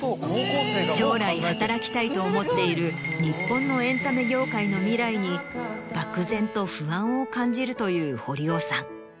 将来働きたいと思っている日本のエンタメ業界の未来に漠然と不安を感じるという堀尾さん。